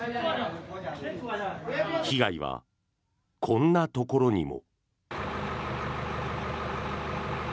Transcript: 被害はこんなところにも。